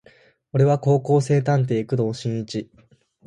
俺は高校生探偵工藤新一